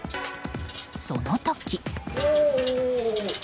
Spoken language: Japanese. その時。